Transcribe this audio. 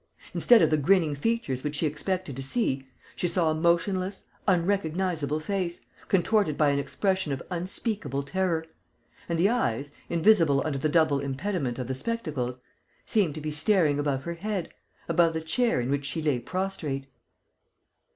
Instead of the grinning features which she expected to see, she saw a motionless, unrecognizable face, contorted by an expression of unspeakable terror: and the eyes, invisible under the double impediment of the spectacles, seemed to be staring above her head, above the chair in which she lay prostrate.